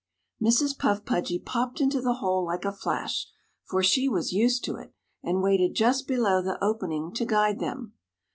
Mrs. Puff Pudgy popped into the hole like a flash, for she was used to it, and waited just below the opening to guide them.